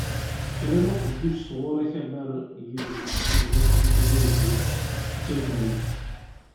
Kra n uqeddic sɣur akabar n yidles d tugdut di tizi wezzu, d tajmilt.